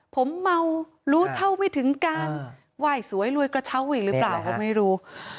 ผมเมารู้เท่าไม่ถึงการไหว้สวยรวยกระเช้าอีกหรือเปล่าก็ไม่รู้